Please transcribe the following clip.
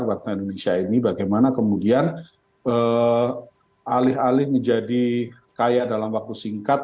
waktu indonesia ini bagaimana kemudian alih alih menjadi kaya dalam waktu singkat